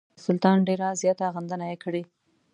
د سلطان ډېره زیاته غندنه یې کړې.